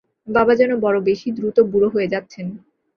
বাবা যেন বড় বেশি দ্রুত বুড়ো হয়ে যাচ্ছেন।